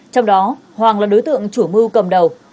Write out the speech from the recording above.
trong đó hoàng là đối tượng chủ mưu cầm đầu